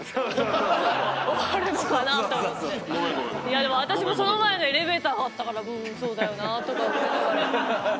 でも私もその前のエレベーターがあったからそうだよなとか思いながら。